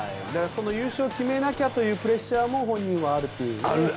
優勝を決めなきゃというプレッシャーも本人はあるという話ですが。